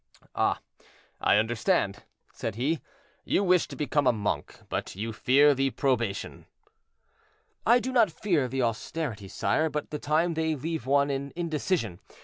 "Ah! I understand," said he; "you wish to become a monk, but you fear the probation." "I do not fear the austerities, sire, but the time they leave one in indecision.